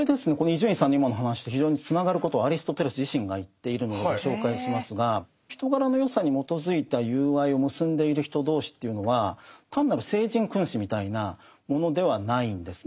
伊集院さんの今の話と非常につながることをアリストテレス自身が言っているのでご紹介しますが人柄の善さに基づいた友愛を結んでいる人同士というのは単なる聖人君子みたいなものではないんです。